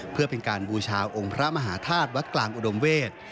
เพื่อเป็นการบูชาองค์พระมหาธาตุวัดกลางอุดมเวศ